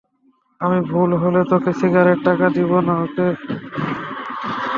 আমি ভুল হলে তোকে সিগারেটের টাকা দিব না, ওকে?